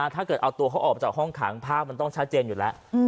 ถ้าเกิดเอาตัวเขาออกมาจากห้องขังภาพมันต้องชัดเจนอยู่แล้ว